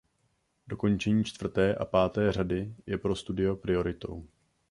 Dokončení čtvrté a páté řady je pro studio prioritou.